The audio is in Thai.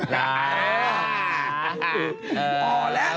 พอแล้ว